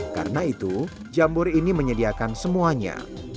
karena itu jambor ini menyediakan semuanya